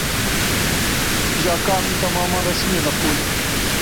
Îja ka em li temama resimê vekolin.